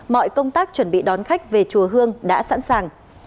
mọi công tác chuẩn bị đón khách về chùa hương đã sẵn sàng